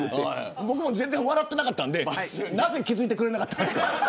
僕も全然、笑わなかったんでなぜ、気付いてくれなかったんですか。